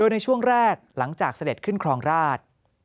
ในช่วงแรกหลังจากเสด็จขึ้นครองราช